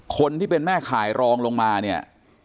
คนที่เป็นแม่ขายรองลงมาเนี่ย